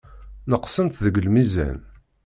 Neqsent deg lmizan.